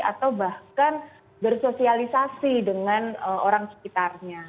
atau bahkan bersosialisasi dengan orang sekitarnya